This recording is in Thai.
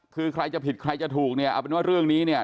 คือใครจะผิดใครจะถูกเนี่ย